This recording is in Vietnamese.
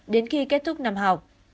đến khi kết thúc năm học